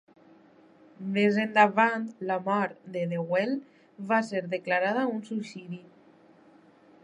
Més endavant, la mort de Deuel va ser declarada un suïcidi.